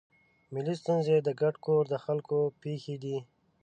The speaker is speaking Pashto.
ملي ستونزې د ګډ کور د خلکو پېښې دي.